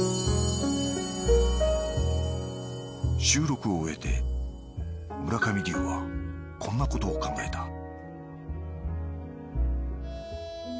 収録を終えて村上龍はこんなことを考えた